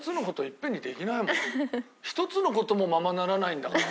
１つの事もままならないんだから。